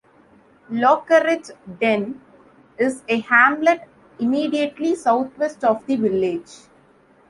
Lockeridge Dene is a hamlet immediately southwest of the village.